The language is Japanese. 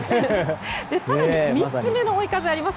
更に３つ目の追い風があります。